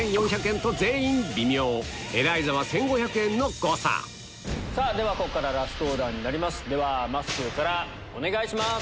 エライザは１５００円の誤差ではここからラストオーダーになりますまっすーからお願いします。